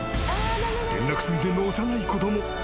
転落寸前の幼い子供。